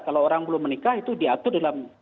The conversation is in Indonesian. kalau orang belum menikah itu diatur dalam